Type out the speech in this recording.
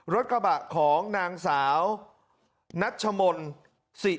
รถกระบะของนางสาวนัชมนต์สิ